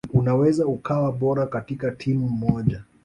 Unaweza ukawa bora katika timu moja